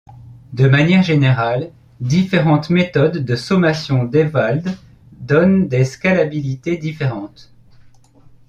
De manière générale, différentes méthodes de sommation d'Ewald donnent des scalabilités différentes.